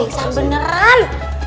hah pingsan beneran